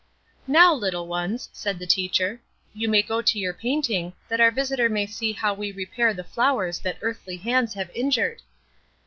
"Now, little ones," said the teacher, "you may go to your painting, that our visitor may see how we repair the flowers that earthly hands have injured."